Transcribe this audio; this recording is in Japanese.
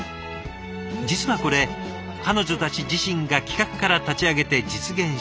実はこれ彼女たち自身が企画から立ち上げて実現したもの。